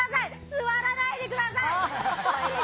座らないでください。